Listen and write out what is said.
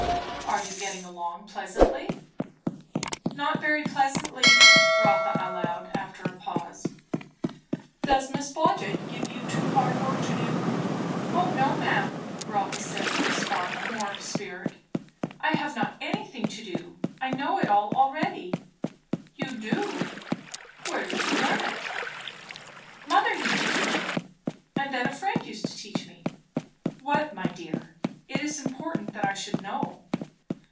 "Are you getting along pleasantly?" "Not very pleasantly," Rotha allowed, after a pause. "Does Miss Blodgett give you too hard work to do?" "O no, ma'am!" Rotha said with a spark more of spirit. "I have not anything to do. I know it all already." "You do! Where did you learn it?" "Mother used to teach me and then a friend used to teach me." "What, my dear? It is important that I should know."